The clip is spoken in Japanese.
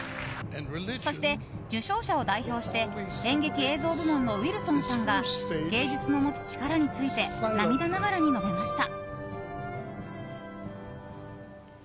そして、受賞者を代表して演劇・映像部門のウィルソンさんが芸術の持つ力について涙ながらに述べました。